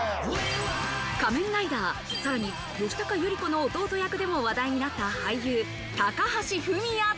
『仮面ライダー』、さらに吉高由里子の弟役でも話題になった俳優・高橋文哉。